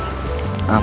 gak ada lagi